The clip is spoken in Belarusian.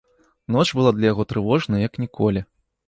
Ноч была для яго трывожная, як ніколі.